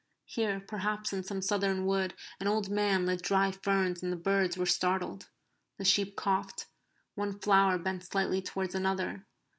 Here perhaps in some southern wood an old man lit dry ferns and the birds were startled. The sheep coughed; one flower bent slightly towards another.